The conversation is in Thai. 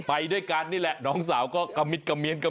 ไปด้วยกันนี่แหละน้องสาวก็กระมิดกระเมียนกระ